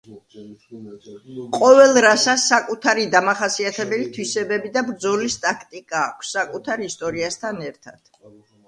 ყოველ რასას საკუთარი დამახასიათებელი თვისებები და ბრძოლის ტაქტიკა აქვს, საკუთარ ისტორიასთან ერთად.